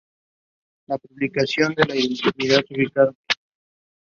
La publicación de la identidad y ubicación